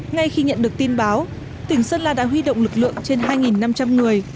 ngay khi nhận được tin báo tỉnh sơn la đã huy động lực lượng trên hai năm trăm linh người